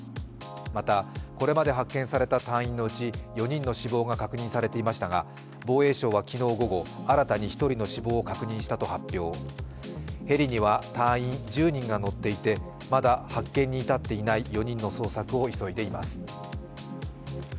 また、これまで発見された隊員のうち、４人の死亡が確認されていましたが防衛省は昨日午後、新たに１人の死亡を確認したと発表ヘリには隊員１０人が乗っていてまだ発見に至っていない４人の捜索を急いでいます。